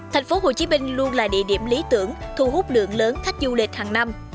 thành phố hồ chí minh luôn là địa điểm lý tưởng thu hút lượng lớn khách du lịch hàng năm